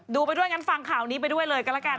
ไปด้วยงั้นฟังข่าวนี้ไปด้วยเลยก็แล้วกัน